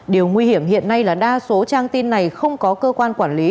điều nguy hiểm hiện nay là đa số trang tin này không có cơ quan quản lý